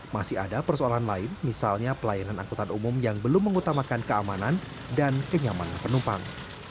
masih ada persoalan lain misalnya pelayanan angkutan umum yang belum mengutamakan keamanan dan kenyamanan penumpang